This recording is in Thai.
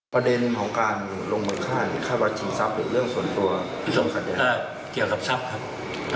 ว่าจากการสอบประยาศบุคคล